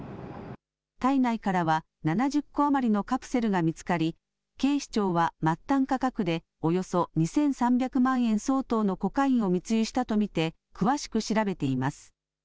体内からは７０個余りのカプセルが見つかり、警視庁は末端価格でおよそ２３００万円相当のコカインを密輸したと見て、詳しく調べています。